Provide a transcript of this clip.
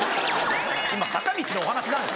今坂道のお話なんです。